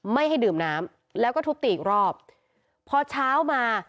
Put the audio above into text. ไม่ให้ดื่มน้ำแล้วก็ทุบตีอีกรอบพอเช้ามา